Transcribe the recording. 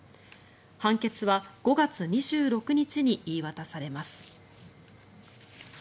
判決は５月２６日に言い渡されます。